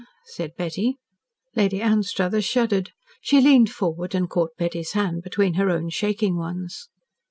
said Betty. Lady Anstruthers shuddered. She leaned forward and caught Betty's hand between her own shaking ones.